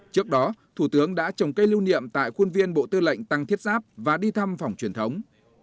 trước đó thủ tướng đã trồng cây lưu niệm tại khuôn viên bộ tư lệnh tăng thiết giáp và đi thăm phòng truyền thống